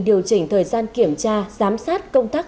điều chỉnh thời gian kiểm tra giám sát công tác